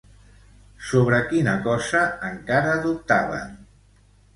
Sobre quina cosa encara dubtaven?